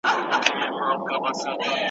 ماښام ولاړئ سباوون سو، هرساعت تیرپه بیلتون سو.